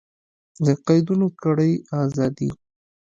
له قیدونو کړئ ازادي